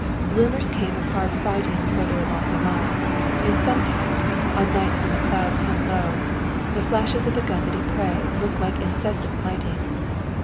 Rumors came of hard fighting farther along the line, and sometimes, on nights when the clouds hung low, the flashes of the guns at Ypres looked like incessant lightning.